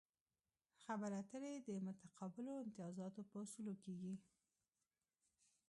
خبرې اترې د متقابلو امتیازاتو په اصولو کیږي